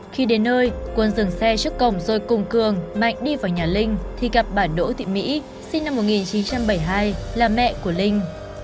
khi đến nơi quân dừng xe trước cổng rồi cùng cường mạnh đi vào nhà linh thì gặp bà đỗ thị mỹ sinh năm một nghìn chín trăm bảy mươi hai là mẹ của linh